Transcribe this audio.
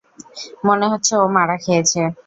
মনে হচ্ছে, ও মারা খেয়েছে।